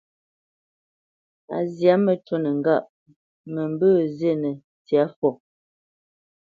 A zyâ məcûnə ŋgâʼ: mə mbə̄ zînə ntsyâ fɔ.